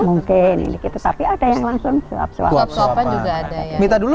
mungkin tapi ada yang langsung suap suapan suap suapan juga ada ya minta dulu